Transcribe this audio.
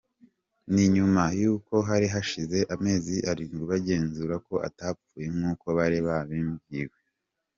Ni nyuma yuko hari hashize amezi arindwi bagenzura ko atapfuye nkuko bari babibwiwe.